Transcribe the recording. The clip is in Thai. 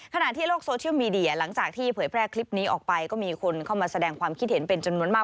ขณะที่โลกโซเชียลมีเดียหลังจากที่เผยแพร่คลิปนี้ออกไปก็มีคนเข้ามาแสดงความคิดเห็นเป็นจำนวนมาก